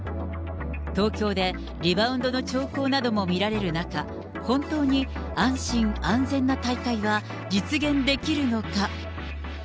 東京でリバウンドの兆候なども見られる中、本当に安心・安全な大会は実現できるのか。